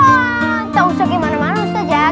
ya tau sih kayak mana mana ustaz astaz